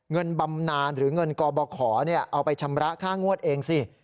บำนานหรือเงินกบขอเอาไปชำระค่างวดเองสิ